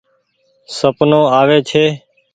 سپنو آوي ڇي۔